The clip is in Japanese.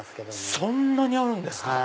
そんなにあるんですか！